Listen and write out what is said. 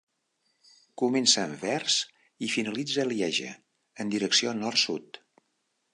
Comença a Anvers i finalitza a Lieja, en direcció nord-sud.